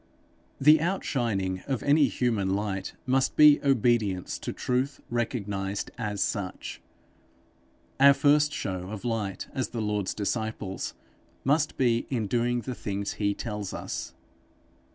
The outshining of any human light must be obedience to truth recognized as such; our first show of light as the Lord's disciples must be in doing the things he tells us.